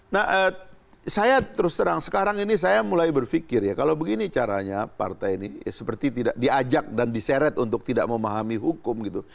nah saya terus terang sekarang ini saya mulai berpikir ya kalau begini caranya partai ini seperti tidak diajak dan diseret untuk tidak memahami hukum gitu